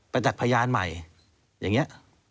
จักษ์พยานใหม่อย่างนี้